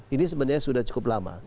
ini sebenarnya sudah cukup lama